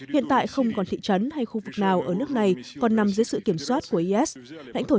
hiện tại không còn thị trấn hay khu vực nào ở nước này còn nằm dưới sự kiểm soát của is lãnh thổ